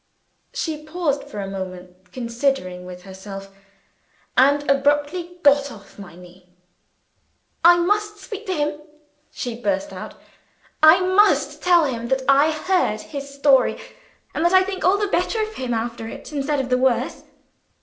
She paused for a moment, considering with herself and abruptly got off my knee. "I must speak to him!" she burst out. "I must tell him that I have heard his story, and that I think all the better of him after it, instead of the worse!"